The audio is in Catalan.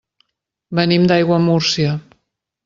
Venim d'Aiguamúrcia.